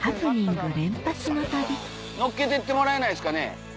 乗っけてってもらえないですかね。